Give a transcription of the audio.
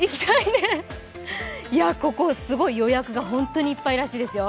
ここ、すごい予約が本当にいっぱいらしいですよ。